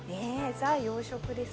ザ・洋食です。